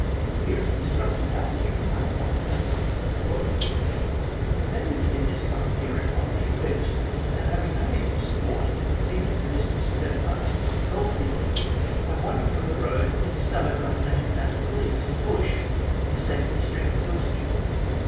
Here is an instructive passage from another private letter :" Many of the diggers come up here improperly equipped, and having no means of support, even for the distance of thirty five miles to the goldfields, have wandered from the road, and been discovered by the Native Mounted Police in the bush in a state of extreme exhaustion.